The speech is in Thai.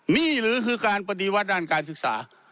นี่หรือคือการปฏิวัติด้านการศึกษา